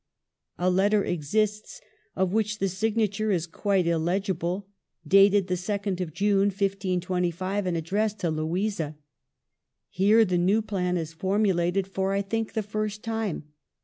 A letter exists, of which the signature is quite illegible, dated the 2d of June, 1525, and addressed to Louisa. Here the new plan is formulated for, I think, the first time.